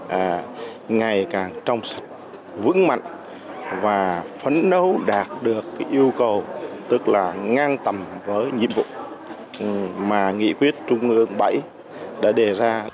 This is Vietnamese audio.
và ngày càng trong sạch vững mạnh và phấn đấu đạt được cái yêu cầu tức là ngang tầm với nhiệm vụ mà nghị quyết trung ương bảy đã đề ra